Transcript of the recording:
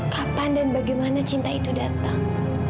kapan dan bagaimana cinta itu datang